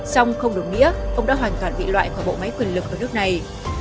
song không đồng nghĩa ông đã hoàn toàn bị loại khỏi bộ máy quyền lực ở nước này